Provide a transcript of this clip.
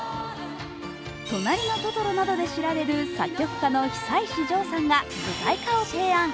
「となりのトトロ」などで知られる区作曲家の久石譲さんが舞台化を提案。